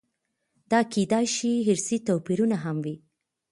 دا کېدای شي ارثي توپیرونه هم وي.